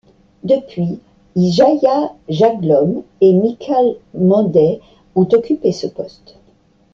Depuis, Raya Jaglom et Michal Modai ont occupé ce poste.